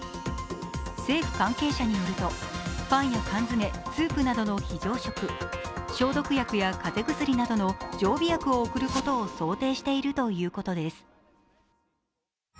政府関係者によると、パンや缶詰、スープなどの非常食、消毒薬や風邪薬などの常備薬を送ることを想定しているということです。